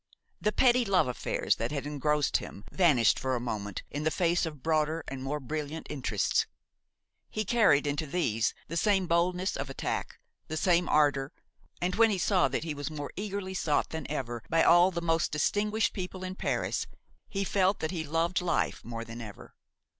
The petty love affairs that had engrossed him vanished for a moment in the face of broader and more brilliant interests. He carried into these the same boldness of attack, the same ardor; and when he saw that he was more eagerly sought than ever by all the most distinguished people in Paris, he felt that he loved life more than ever.